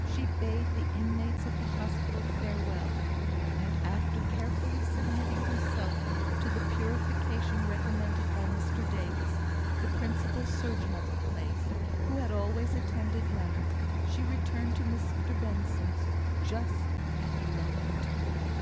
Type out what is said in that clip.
She bade the inmates of the hospital farewell, and after carefully submitting herself to the purification recommended by Mr Davis, the principal surgeon of the place, who had always attended Leonard, she returned to Mr Benson's just at gloaming time.